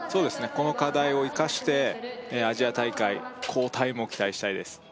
この課題を生かしてアジア大会好タイムを期待したいです